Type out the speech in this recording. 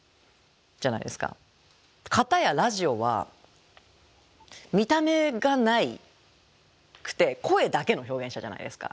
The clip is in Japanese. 片やラジオは見た目がなくて声だけの表現者じゃないですか。